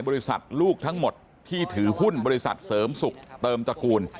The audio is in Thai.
บริษัทลูกทั้งหมดที่ถือหุ้นบริษัทเสริมสุขเติมจักรคูณ